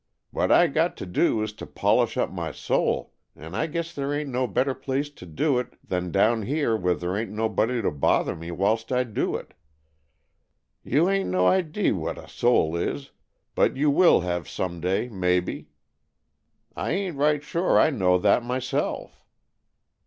What I got to do is to polish up my soul, and I guess there ain't no better place to do it than down here where there ain't nobody to bother me whilst I do it. You hain't no idee what a soul is, but you will have some day, maybe. I ain't right sure I know that, myself."